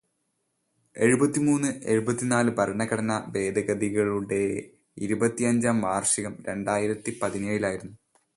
എഴുപത്തിമൂന്ന്, എഴുപത്തിനാല് ഭരണഘടനാ ഭേദഗതികളുടെടെ ഇരുപത്തിയഞ്ചാം വാർഷികം രണ്ടായിരത്തി പതിനേഴിലായിരുന്നു.